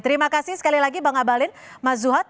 terima kasih sekali lagi bang abalin mas zuhad